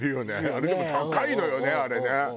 あれでも高いのよねあれね。